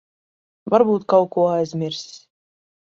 Varbūt kaut ko aizmirsis.